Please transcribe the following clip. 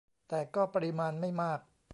แต่ก็ปริมาณไม่มาก